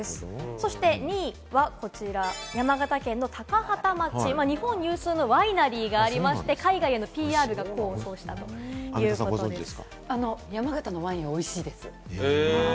そして２位はこちら、山形県の高畠町、日本有数のワイナリーがありまして、海外へのＰＲが山形のワインはおいしいです。